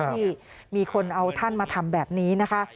ที่มีคนเอาท่านมาทำแบบนี้นะคะ